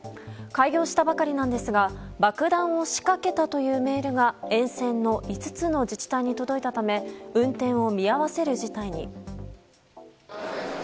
開業したばかりなんですが爆弾を仕掛けたというメールが沿線の５つの自治体に届いたため運転を見合わせる事態に。